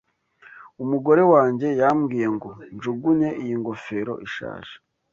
Umugore wanjye yambwiye ngo njugunye iyi ngofero ishaje.